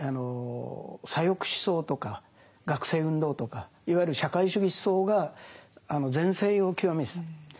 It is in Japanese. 左翼思想とか学生運動とかいわゆる社会主義思想が全盛を極めてた。